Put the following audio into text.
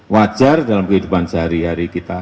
wajar dalam kehidupan sehari hari kita